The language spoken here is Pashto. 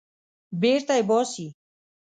بېرته یې باسي.